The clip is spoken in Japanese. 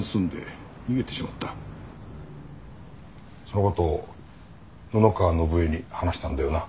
その事を布川伸恵に話したんだよな。